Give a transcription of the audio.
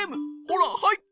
ほらはい！